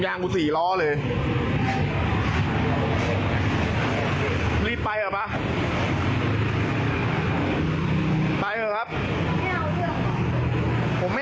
อย่างนี้ถ้ารถที่แบบทัสสิกเกอร์นี่ผัวคุณหมดเลยเนี่ย